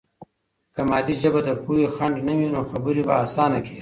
که مادي ژبه د پوهې خنډ نه وي، نو خبرې به آسانه کیږي.